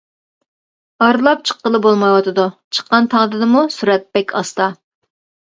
ئارىلاپ چىققىلى بولمايۋاتىدۇ، چىققان تەقدىردىمۇ سۈرئەت بەك ئاستا!